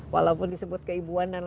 walaupun disebut keibuan